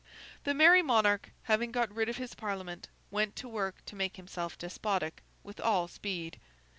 The Merry Monarch, having got rid of his Parliament, went to work to make himself despotic, with all speed.